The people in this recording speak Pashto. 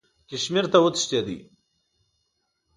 کشمیر ته وتښتېدی.